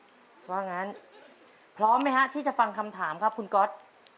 ว่างั้นพร้อมไหมฮะที่จะฟังคำถามครับคุณก๊อต